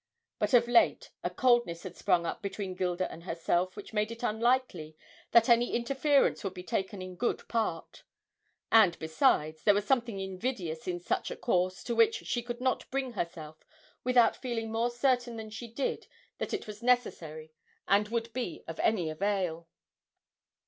But of late a coldness had sprung up between Gilda and herself which made it unlikely that any interference would be taken in good part; and besides, there was something invidious in such a course, to which she could not bring herself without feeling more certain than she did that it was necessary and would be of any avail.